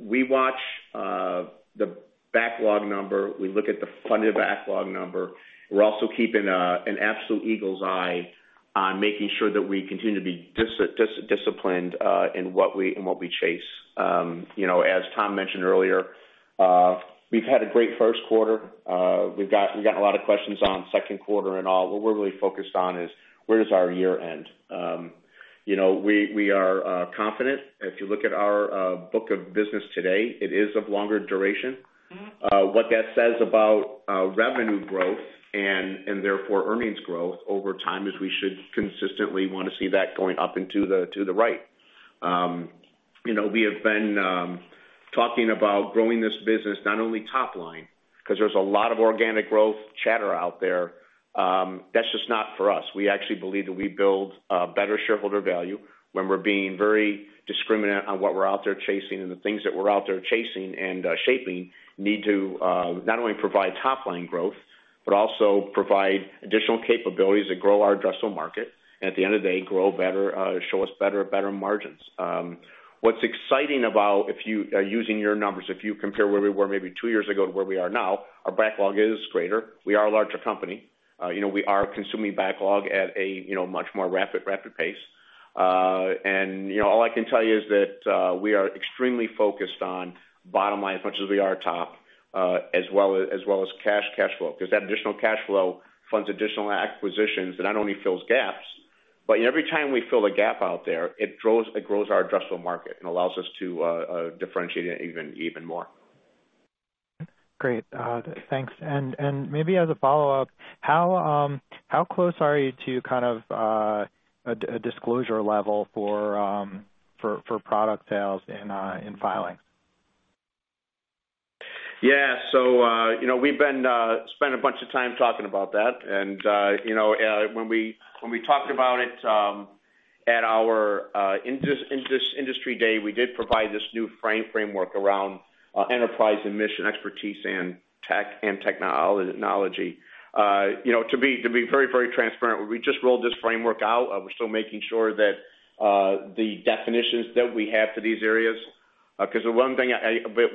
We watch the backlog number. We look at the funded backlog number. We're also keeping an absolute eagle's eye on making sure that we continue to be disciplined in what we chase. As Tom mentioned earlier, we've had a great first quarter. We've gotten a lot of questions on second quarter and all. What we're really focused on is where does our year end? We are confident. If you look at our book of business today, it is of longer duration. What that says about revenue growth and therefore earnings growth over time is we should consistently want to see that going up and to the right. We have been talking about growing this business not only topline because there's a lot of organic growth chatter out there. That's just not for us. We actually believe that we build better shareholder value when we're being very discriminating on what we're out there chasing and the things that we're out there chasing and shaping need to not only provide top-line growth, but also provide additional capabilities that grow our addressable market and at the end of the day show us better margins. What's exciting about using your numbers, if you compare where we were maybe two years ago to where we are now, our backlog is greater. We are a larger company. We are consuming backlog at a much more rapid pace. And all I can tell you is that we are extremely focused on bottom line as much as we are top, as well as cash flow. Because that additional cash flow funds additional acquisitions that not only fills gaps, but every time we fill a gap out there, it grows our addressable market and allows us to differentiate even more. Great. Thanks. And maybe as a follow-up, how close are you to kind of a disclosure level for product sales and filings? Yeah. So we've been spending a bunch of time talking about that. And when we talked about it at our Industry Day, we did provide this new framework around enterprise and mission expertise and technology. To be very, very transparent, we just rolled this framework out. We're still making sure that the definitions that we have for these areas because the one thing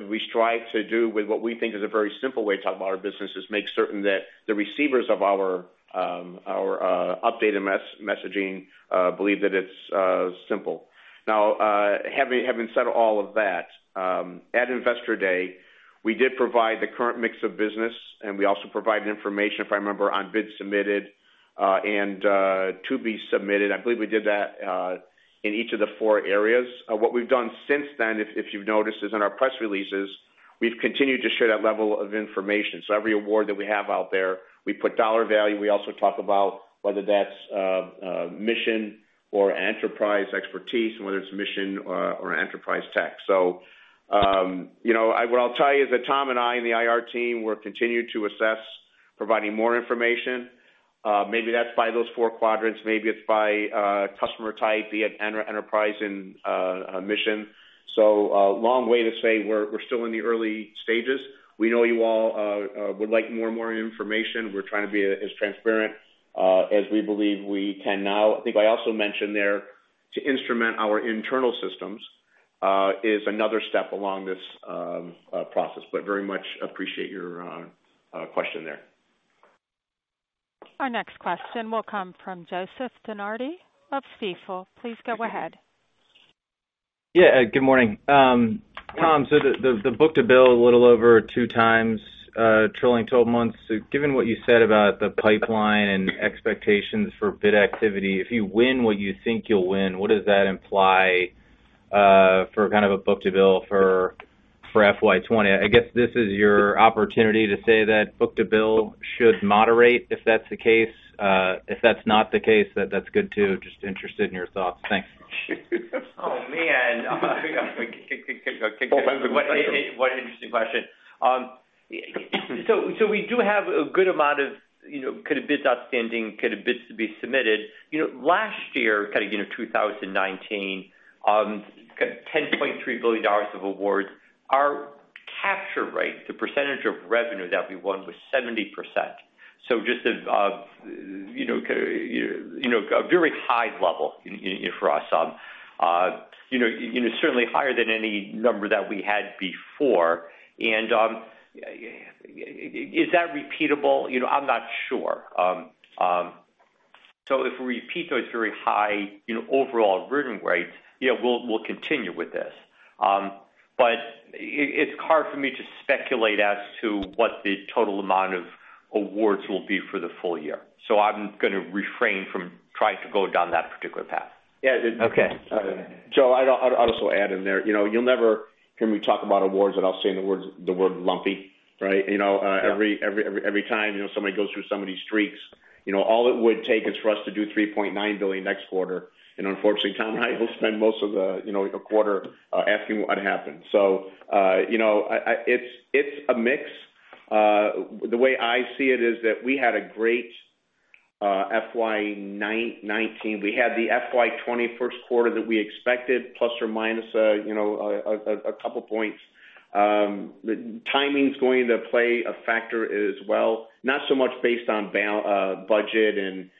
we strive to do with what we think is a very simple way to talk about our business is make certain that the receivers of our updated messaging believe that it's simple. Now, having said all of that, at investor day, we did provide the current mix of business, and we also provided information, if I remember, on bid submitted and to be submitted. I believe we did that in each of the four areas. What we've done since then, if you've noticed, is in our press releases, we've continued to share that level of information. So every award that we have out there, we put dollar value. We also talk about whether that's mission or enterprise expertise and whether it's mission or enterprise tech. So what I'll tell you is that Tom and I and the IR team will continue to assess, providing more information. Maybe that's by those four quadrants. Maybe it's by customer type via enterprise and mission. So long way to say we're still in the early stages. We know you all would like more and more information. We're trying to be as transparent as we believe we can now. I think I also mentioned there to instrument our internal systems is another step along this process, but very much appreciate your question there. Our next question will come from Joseph DeNardi of Stifel. Please go ahead. Yeah. Good morning. Tom, so the book-to-bill, a little over two times, trailing twelve months. So given what you said about the pipeline and expectations for bid activity, if you win what you think you'll win, what does that imply for kind of a book-to-bill for FY 2020? I guess this is your opportunity to say that book-to-bill should moderate if that's the case. If that's not the case, that's good too. Just interested in your thoughts. Thanks. Oh, man. What an interesting question. So we do have a good amount of bids, outstanding bids, to be submitted. Last year, kind of 2019, kind of $10.3 billion of awards, our capture rate, the percentage of revenue that we won was 70%. So just a very high level for us, certainly higher than any number that we had before. And is that repeatable? I'm not sure. So if we repeat those very high overall revenue rates, yeah, we'll continue with this. But it's hard for me to speculate as to what the total amount of awards will be for the full year. So I'm going to refrain from trying to go down that particular path. Yeah. Joe, I'd also add in there, you'll never hear me talk about awards, but I'll say the word lumpy, right? Every time somebody goes through somebody's streaks, all it would take is for us to do $3.9 billion next quarter. And unfortunately, Tom and I will spend most of the quarter asking what happened. So it's a mix. The way I see it is that we had a great FY 2019. We had the FY 2020 first quarter that we expected, plus or minus a couple of points. Timing's going to play a factor as well, not so much based on budget and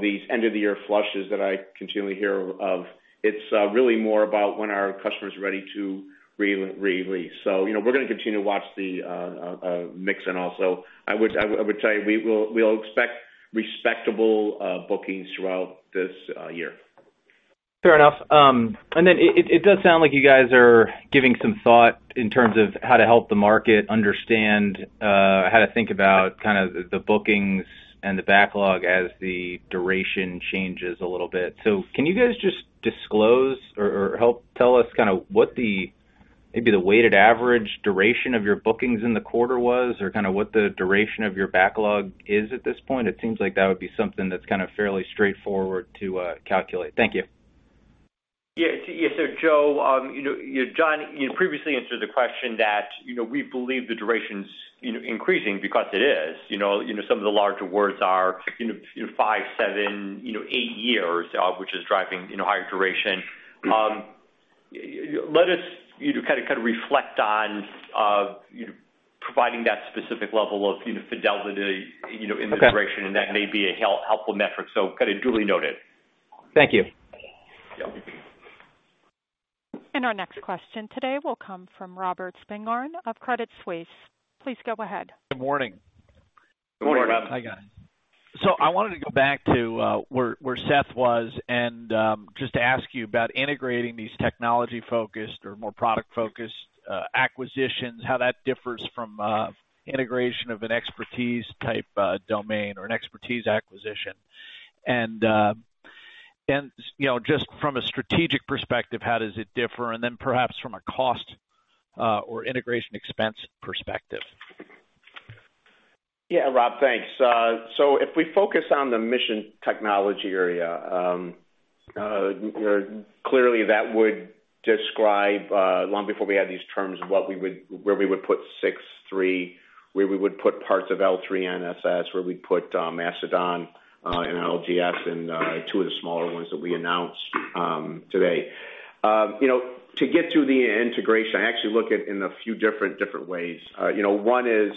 these end-of-the-year flushes that I continually hear of. It's really more about when our customer is ready to release. So we're going to continue to watch the mix and also, I would tell you, we'll expect respectable bookings throughout this year. Fair enough. And then it does sound like you guys are giving some thought in terms of how to help the market understand how to think about kind of the bookings and the backlog as the duration changes a little bit. So can you guys just disclose or help tell us kind of what the maybe the weighted average duration of your bookings in the quarter was or kind of what the duration of your backlog is at this point? It seems like that would be something that's kind of fairly straightforward to calculate. Thank you. Yeah. So Joe, John, you previously answered the question that we believe the duration's increasing because it is. Some of the larger awards are five, seven, eight years, which is driving higher duration. Let us kind of reflect on providing that specific level of fidelity in the duration, and that may be a helpful metric. So kind of duly noted. Thank you. Yep. Our next question today will come from Robert Spingarn of Credit Suisse. Please go ahead. Good morning. Good morning, Rob. Hi, guys. So I wanted to go back to where Seth was and just to ask you about integrating these technology-focused or more product-focused acquisitions, how that differs from integration of an expertise-type domain or an expertise acquisition. And just from a strategic perspective, how does it differ? And then perhaps from a cost or integration expense perspective. Yeah, Rob, thanks. So if we focus on the mission technology area, clearly that would describe long before we had these terms of where we would put Six3, where we would put parts of L3 NSS, where we'd put Mastodon and LGS, and two of the smaller ones that we announced today. To get to the integration, I actually look at it in a few different ways. One is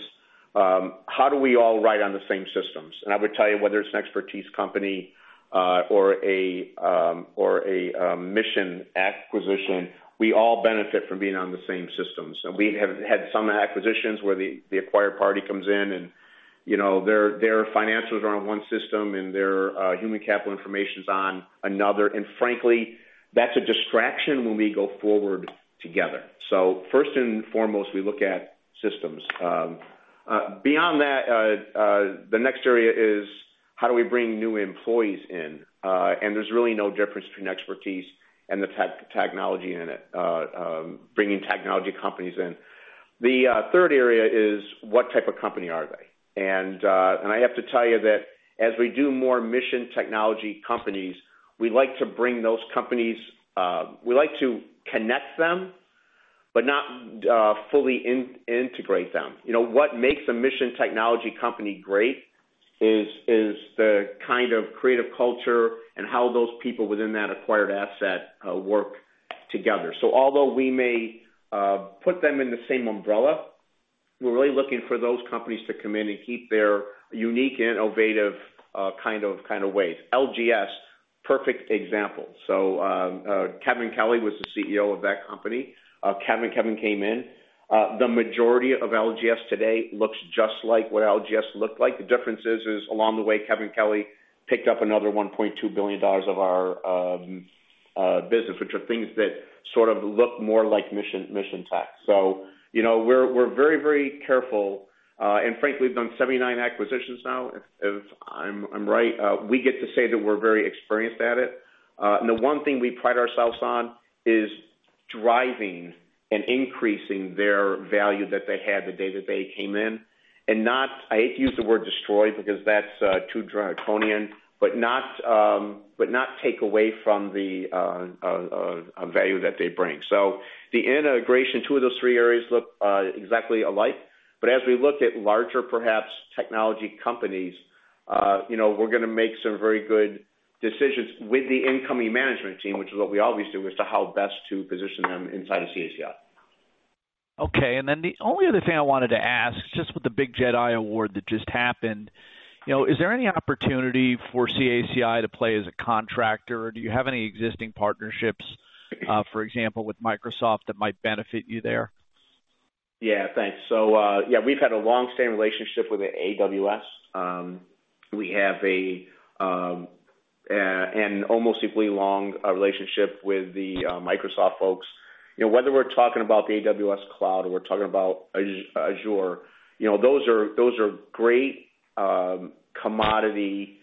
how do we all run on the same systems? And I would tell you, whether it's an expertise company or a mission acquisition, we all benefit from being on the same systems. And we have had some acquisitions where the acquired party comes in, and their financials are on one system and their human capital information's on another. And frankly, that's a distraction when we go forward together. So first and foremost, we look at systems. Beyond that, the next area is how do we bring new employees in? And there's really no difference between expertise and the technology in it, bringing technology companies in. The third area is what type of company are they? And I have to tell you that as we do more mission technology companies, we like to bring those companies. We like to connect them, but not fully integrate them. What makes a mission technology company great is the kind of creative culture and how those people within that acquired asset work together. So although we may put them in the same umbrella, we're really looking for those companies to come in and keep their unique and innovative kind of ways. LGS, perfect example. So Kevin Kelly was the CEO of that company. Kevin came in. The majority of LGS today looks just like what LGS looked like. The difference is, along the way, Kevin Kelly picked up another $1.2 billion of our business, which are things that sort of look more like mission tech. So we're very, very careful. And frankly, we've done 79 acquisitions now, if I'm right. We get to say that we're very experienced at it. And the one thing we pride ourselves on is driving and increasing their value that they had the day that they came in. And I hate to use the word destroy because that's too draconian, but not take away from the value that they bring. So the integration, two of those three areas look exactly alike. But as we look at larger, perhaps, technology companies, we're going to make some very good decisions with the incoming management team, which is what we always do, as to how best to position them inside of CACI. Okay. And then the only other thing I wanted to ask, just with the big JEDI award that just happened, is there any opportunity for CACI to play as a contractor? Do you have any existing partnerships, for example, with Microsoft that might benefit you there? Yeah. Thanks. So yeah, we've had a long-standing relationship with AWS. We have an almost equally long relationship with the Microsoft folks. Whether we're talking about the AWS Cloud or we're talking about Azure, those are great commodity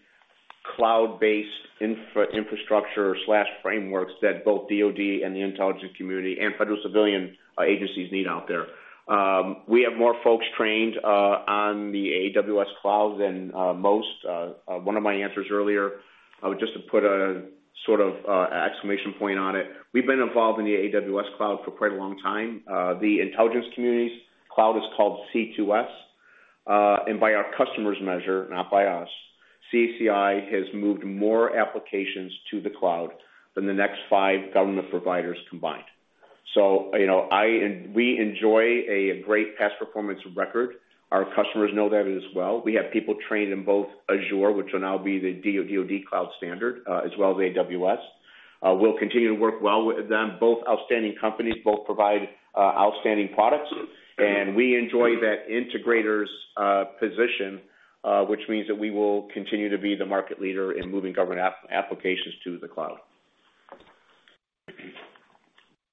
cloud-based infrastructure/frameworks that both DoD and the intelligence community and federal civilian agencies need out there. We have more folks trained on the AWS Cloud than most. One of my answers earlier, just to put a sort of exclamation point on it, we've been involved in the AWS Cloud for quite a long time. The intelligence community's cloud is called C2S. And by our customers' measure, not by us, CACI has moved more applications to the cloud than the next five government providers combined. So we enjoy a great past performance record. Our customers know that as well. We have people trained in both Azure, which will now be the DoD cloud standard, as well as AWS. We'll continue to work well with them. Both outstanding companies both provide outstanding products, and we enjoy that integrator's position, which means that we will continue to be the market leader in moving government applications to the cloud.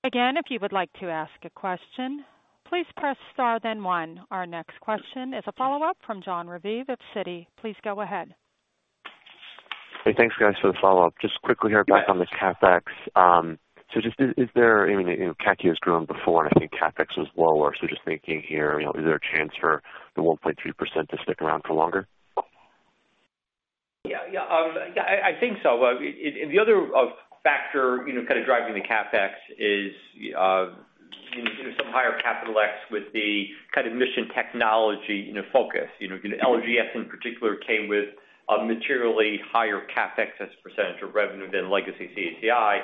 Again, if you would like to ask a question, please press star then one. Our next question is a follow-up from Jon Raviv of Citigroup. Please go ahead. Hey, thanks, guys, for the follow-up. Just quickly here, back on the CapEx. So, just, is there? I mean, CACI has grown before, and I think CapEx was lower. So, just thinking here, is there a chance for the 1.3% to stick around for longer? Yeah. Yeah. Yeah, I think so. And the other factor kind of driving the CapEx is some higher CapEx with the kind of mission technology focus. LGS, in particular, came with a materially higher CapEx as a percentage of revenue than legacy CACI.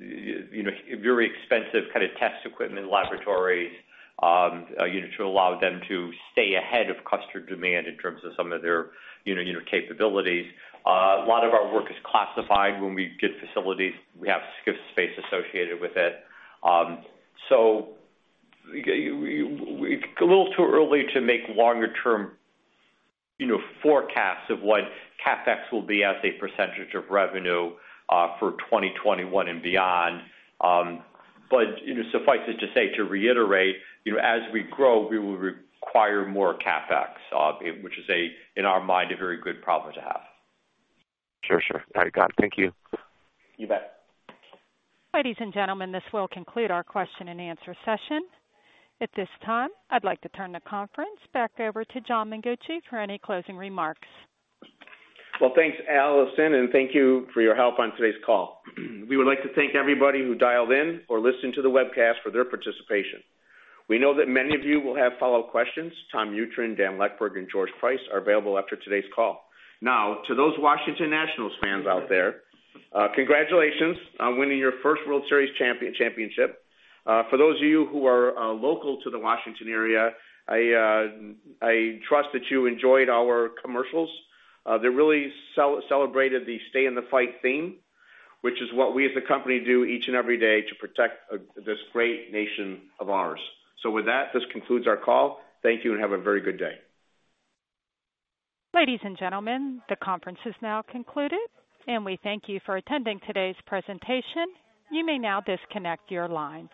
Very expensive kind of test equipment, laboratories to allow them to stay ahead of customer demand in terms of some of their capabilities. A lot of our work is classified. When we get facilities, we have SCIFs space associated with it. So a little too early to make longer-term forecasts of what CapEx will be as a percentage of revenue for 2021 and beyond. But suffice it to say, to reiterate, as we grow, we will require more CapEx, which is, in our mind, a very good problem to have. Sure. Sure. All right. Got it. Thank you. You bet. Ladies and gentlemen, this will conclude our question and answer session. At this time, I'd like to turn the conference back over to John Mengucci for any closing remarks. Well, thanks, Allison, and thank you for your help on today's call. We would like to thank everybody who dialed in or listened to the webcast for their participation. We know that many of you will have follow-up questions. Tom Mutryn, Dan Leckburg, and George Price are available after today's call. Now, to those Washington Nationals fans out there, congratulations on winning your first World Series championship. For those of you who are local to the Washington area, I trust that you enjoyed our commercials. They really celebrated the Stay In The Fight theme, which is what we as a company do each and every day to protect this great nation of ours. So with that, this concludes our call. Thank you and have a very good day. Ladies and gentlemen, the conference is now concluded, and we thank you for attending today's presentation. You may now disconnect your lines.